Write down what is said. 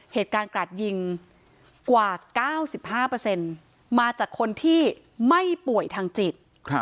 เหตุการณ์กราดยิงกว่า๙๕มาจากคนที่ไม่ป่วยทางจิต